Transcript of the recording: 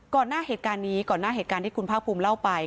หน้าเหตุการณ์นี้ก่อนหน้าเหตุการณ์ที่คุณภาคภูมิเล่าไป